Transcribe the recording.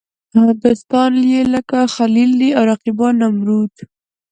دوستان یې لکه خلیل دي او رقیبان نمرود.